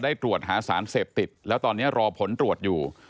ตรวจหาสารเสพติดแล้วตอนนี้รอผลตรวจอยู่